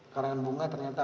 karangan bunga ternyata